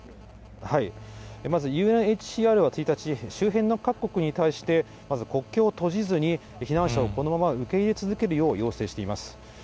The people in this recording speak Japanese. まずＵＮＨＣＲは１日、周辺の各国に対してまず国境を閉じずに、避難者をこのまま受け入れ続けるよう、要請しています。